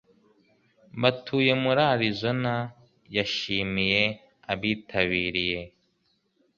batuye muri arizonayashimiye abitabiriye